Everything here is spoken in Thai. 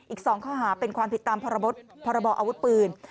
อีก๒ข้อหาเป็นความผิดตามพรบออาวุธปืน